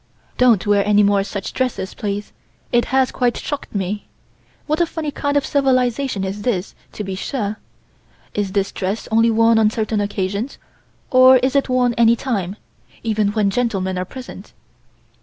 Don't wear any more such dresses, please. It has quite shocked me. What a funny kind of civilization this is to be sure. Is this dress only worn on certain occasions, or is it worn any time, even when gentlemen are present?"